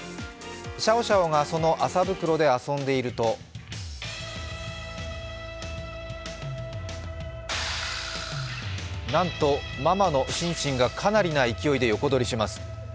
シャオシャオがその麻袋で遊んでいると、なんと、ママのシンシンがかなりな勢いで横取りします。